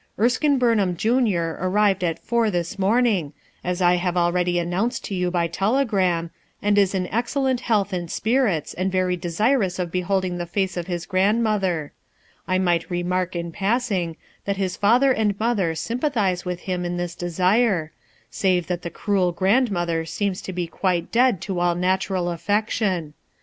Erskine Burn ham, Junior, arrived at four this morning, as I have already announced to you by telegram, 316 RUTH ERSKINE'S SON and is in excellent health and spirits, and very desirous of beholding the face of his grand mother; I might remark, in passing, that hi 3 father and mother sympathize with him in this desire, save that the cruel grandmother sceoia to be quite dead to all natural affection.